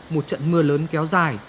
một trận mưa lớn kéo dài